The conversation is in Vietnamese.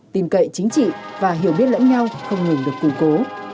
tìm cậy chính trị và hiểu biết lẫn nhau không ngừng được củng cố